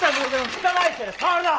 汚い手で触るな！